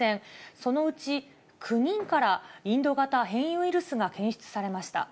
そのうち９人からインド型変異ウイルスが検出されました。